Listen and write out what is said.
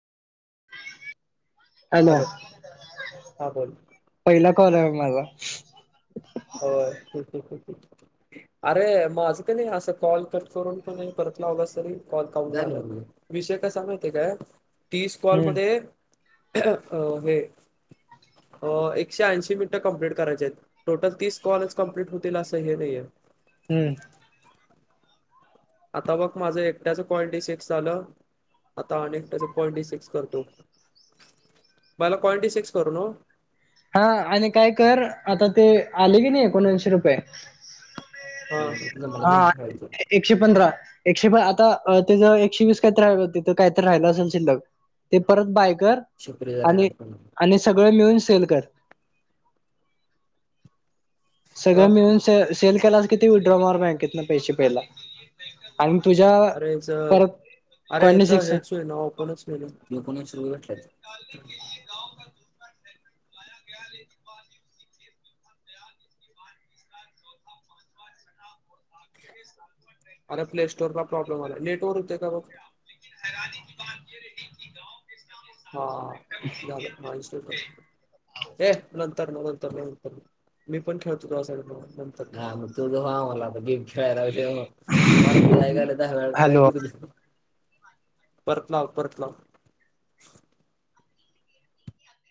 Hello! हा बोल. पहिला कॉल हाय बघ माझा. होय [unintelligible] अरे माझं कनी असं कॉल कट करून प नाही परत लावला तरी कॉल काउंट झाल्यात. विषय कसा माहितीय काय तीस कॉल हम्म मध्ये अं हे अं एकशे ऐंशी मिनटं कंप्लीट करायचे आहेत. टोटल तीस कॉलच कंप्लीट होतील असं हे नाहीय. हम्म. आता बघ माझं एकट्याच कॉल डी सिक्स झालं? आता आने एक त्यांच कॉल डी सिक्स करतो पहिला कॉल डी सिक्स करू नव्ह. हा आणि काय कर आता ते आले की नाही एकोणऐंशी रुपये. हा तर मग मला गेम हा खेळायचं. एकशे पंधरा एकशे प आता तेजं एकशे वीस कायतर तिथं कायतर राहिलं असेल शिल्लक ते परत बाय कर शिकरी जरा आणि आणि सगळं मिळून सेल कर. [inaudible] का सगळं मिळून स सेल केलास कि ते विड्रॉ होणार बँकेतन पैसे पहिला आणि तुझ्या अरे हेचं, परत अरे कॉन्डी हेचं, सिक्स हेच होईना, ओपनच होईना ओपन [unintelligible] घातल्यात. अरे! प्ले स्टोरला प्रॉब्लेम आलाय, नेटवर हुतय का बघ. [unintelligible] हा झालं हा इन्स्टॉल कर ये नंतर मग नंतर म नंतर म मी पण खेळतो का सगग त मला आता गेम मरते आय घाले दहा वेळा काय हॅलो बोलू परतलाव परतलाव